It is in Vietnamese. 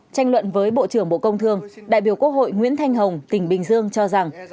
tranh luận với bộ trưởng bộ công thương đại biểu quốc hội nguyễn thanh hồng tỉnh bình dương cho rằng